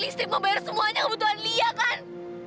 semuanya kebutuhan lia kan